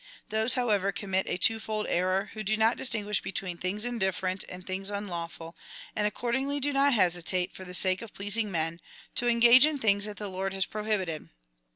Those, however, commit a two fold error, who do not distinguish between things indifferent and things unlawful, and accordingly do not hesitate, for the sake of pleasing men, to engage in things that the Lord has pro hibited.